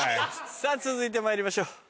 続いてまいりましょう。何？